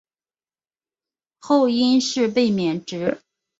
后因事被免职。